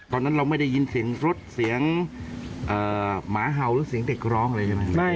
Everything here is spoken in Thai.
ตอนนั้นเราไม่ได้ยินเสียงรถเสียงหมาเห่าหรือเสียงเด็กร้องเลยใช่ไหมครับ